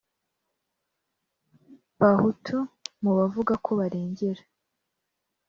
Bahutu mu bavuga ko barengera